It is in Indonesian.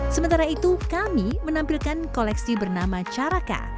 sementara itu kami menampilkan koleksi bernama caraka